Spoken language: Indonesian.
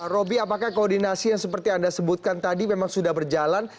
roby apakah koordinasi yang seperti anda sebutkan tadi memang sudah berjalan